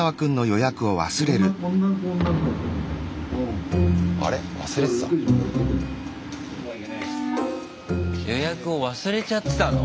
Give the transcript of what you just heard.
予約を忘れちゃってたの？